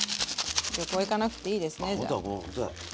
旅行行かなくていいですねじゃあ。